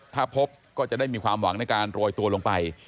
ถ้าพบก็จะได้มีความหวังในการโรยตัวลงไป